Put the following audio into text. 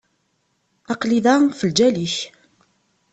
Aql-i da ɣef lǧal-ik.